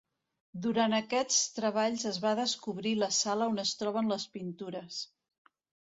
Durant aquests treballs, es va descobrir la sala on es troben les pintures.